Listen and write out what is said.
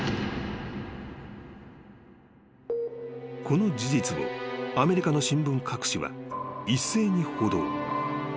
［この事実をアメリカの新聞各紙は一斉に報道］